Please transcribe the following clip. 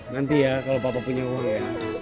nanti ya kalau papa punya uang ya